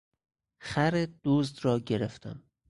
خر دزد را گرفتم.